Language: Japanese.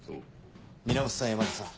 源さん山田さん。